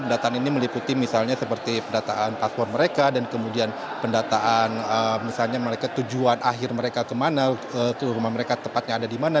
pendataan ini meliputi misalnya seperti pendataan paspor mereka dan kemudian pendataan misalnya mereka tujuan akhir mereka kemana ke rumah mereka tepatnya ada di mana